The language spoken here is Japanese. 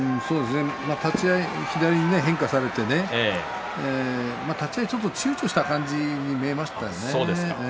立ち合い左に変化されてちょっと立ち合いちゅうちょした感じに見えましたね。